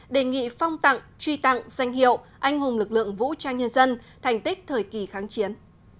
đề nghị phong tặng truy tặng danh hiệu anh hùng lực lượng vũ trang nhân dân thành tích thời kỳ kháng chiến